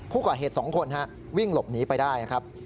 ผู้ก่อเหตุ๒คนวิ่งหลบหนีไปได้นะครับ